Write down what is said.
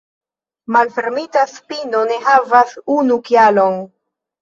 Malfermita spino ne havas unu kialon.